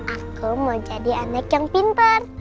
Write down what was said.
aku mau jadi anak yang pintar